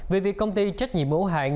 vì việc công ty trách nhiệm mẫu hạn